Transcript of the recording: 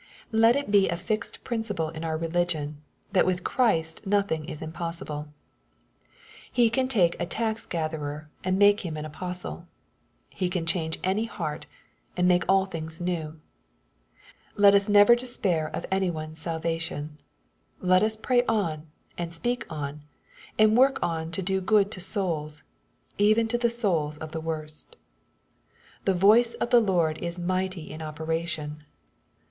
Let it be a fixed principle in our religion, that with Christ nothing is impossible. He can take a tax gatherer, and make him an apostle. He can change any heart, and make all things new. Let us never despair of any one's salvation. Let us pray on, and speak on, and work on to do good to souls, even to the souls of the worst. " The voice of the Lord is mighty in operation."